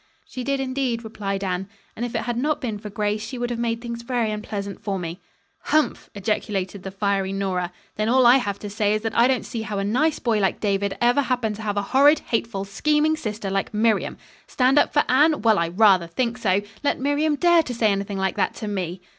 "She did, indeed," replied Anne, "and if it had not been for Grace she would have made things very unpleasant for me." "Humph," ejaculated the fiery Nora, "then all I have to say is that I don't see how a nice boy like David ever happened to have a horrid hateful, scheming sister like Miriam. Stand up for Anne? Well I rather think so! Let Miriam dare to say anything like that to me."